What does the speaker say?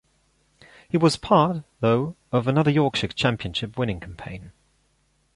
He was part, though, of another Yorkshire Championship winning campaign.